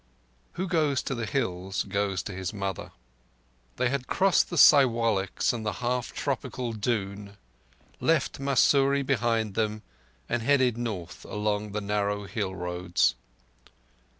"Who goes to the hills goes to his mother." They had crossed the Siwaliks and the half tropical Doon, left Mussoorie behind them, and headed north along the narrow hill roads.